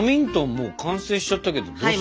もう完成しちゃったけどどうする？